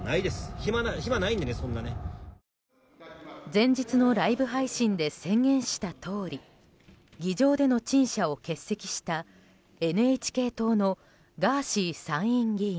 前日のライブ配信で宣言したとおり議場での陳謝を欠席したＮＨＫ党のガーシー参院議員。